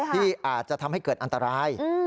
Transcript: ที่อาจจะทำให้เกิดอันตราย